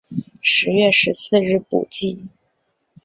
十月十四日补记。